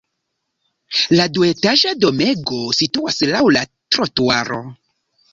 La duetaĝa domego situas laŭ la trotuaro.